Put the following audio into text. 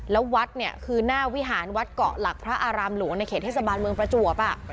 แล้ววัดเนี่ยคือหน้าวิหารวัดเกาะหลักพระอารามหลวงในเขตเทศบาลเมืองประจวบ